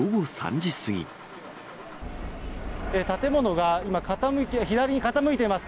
建物が今、傾き、左に傾いています。